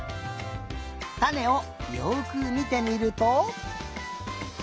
たねをよくみてみると。